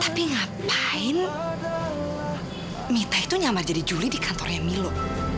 tapi ngapain minta itu nyambar jadi juli di kantornya milo